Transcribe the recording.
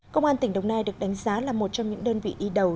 công an tỉnh đồng nai được đánh giá là một trong những đơn vị đi đầu